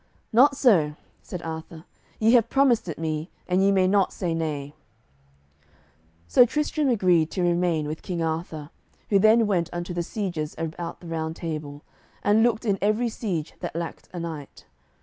"Not so," said Arthur; "ye have promised it me, and ye may not say nay." So Tristram agreed to remain with King Arthur, who then went unto the sieges about the Round Table, and looked in every siege that lacked a knight.